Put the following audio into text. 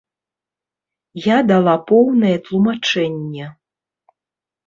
Я дала поўнае тлумачэнне.